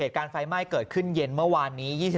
การไฟไหม้เกิดขึ้นเย็นเมื่อวานนี้